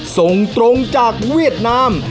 ส่งตรงจากเวียดนาม